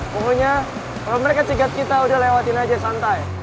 pokoknya kalau mereka cegat kita udah lewatin aja santai